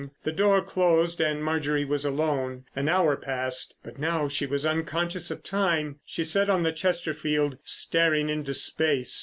The door closed and Marjorie was alone. An hour passed, but now she was unconscious of time. She sat on the Chesterfield staring into space.